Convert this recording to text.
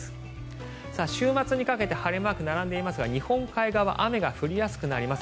週末にかけて晴れマークが並んでいますが日本海側雨が降りやすくなります。